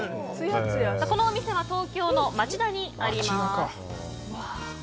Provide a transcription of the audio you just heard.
このお店は東京の町田にあります。